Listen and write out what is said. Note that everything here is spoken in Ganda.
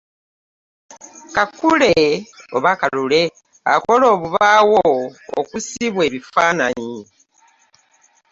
Kakule akola obubaawo okussibwa ebifaananyi.